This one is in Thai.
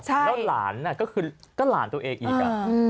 แล้วหลานก็คือก็หลานตัวเองอีก